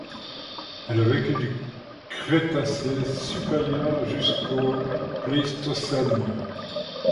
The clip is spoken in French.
Elle a vécu du Crétacé supérieur jusqu'au Pléistocène.